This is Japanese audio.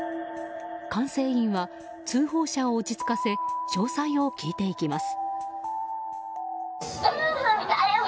管制員は、通報者を落ち着かせ詳細を聞いていきます。